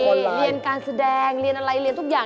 เรียนการแสดงเรียนอะไรเรียนทุกอย่าง